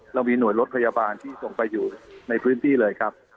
เรามีหน่วยรถพยาบาลที่ส่งไปอยู่ในพื้นที่เลยครับ